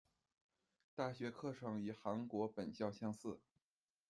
大学课程与韩国本校相似。